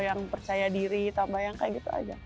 yang percaya diri tambah yang kayak gitu aja